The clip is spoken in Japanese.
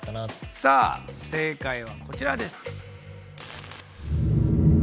さあ正解はこちらです。